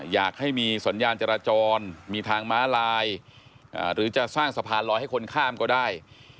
อยากให้มีสัญญาณจราจรมีทางม้าลายหรือจะสร้างสะพานลอยให้คนข้ามก็ได้